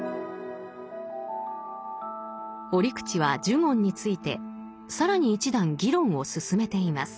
折口は呪言について更に一段議論を進めています。